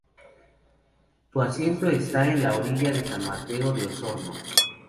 Su asiento estaba en la Villa de San Mateo de Osorno.